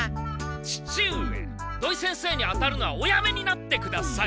父上土井先生に当たるのはおやめになってください！